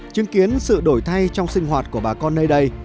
chứng kiến sự đổi thay trong sinh hoạt của bà con nơi đây